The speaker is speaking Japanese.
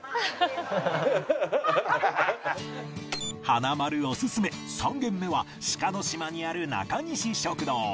華丸オススメ３軒目は志賀島にある中西食堂